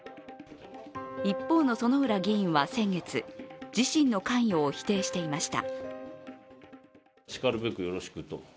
一方の薗浦議員は先月、自身の関与を否定していました。